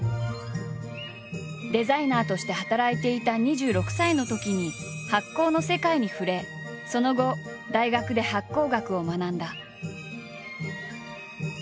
デザイナーとして働いていた２６歳のときに発酵の世界に触れその後大学で発酵学を学んだ。